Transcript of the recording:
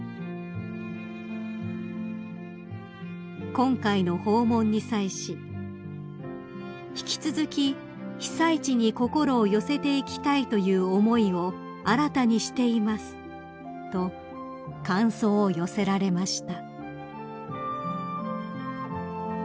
［今回の訪問に際し「引き続き被災地に心を寄せていきたいという思いを新たにしています」と感想を寄せられました］